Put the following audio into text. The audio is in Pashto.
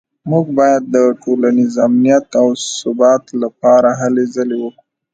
موږ باید د ټولنیز امنیت او ثبات لپاره هلې ځلې وکړو